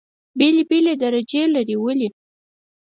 بېلې بېلې درجې لري. ولې؟